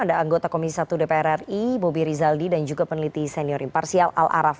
ada anggota komisi satu dpr ri bobi rizaldi dan juga peneliti senior imparsial al araf